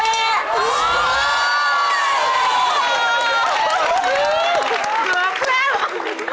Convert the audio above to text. เกือบแล้ว